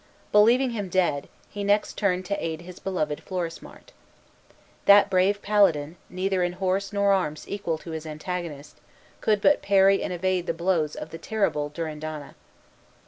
Believing him dead, he next turned to aid his beloved Florismart. That brave paladin, neither in horse nor arms equal to his antagonist, could but parry and evade the blows of the terrible Durindana.